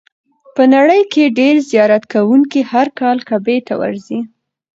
په نړۍ کې ډېر زیارت کوونکي هر کال کعبې ته ورځي.